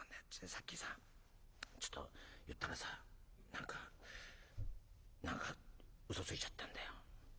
さっきさちょっと言ったらさ何か何か嘘ついちゃったんだよ」。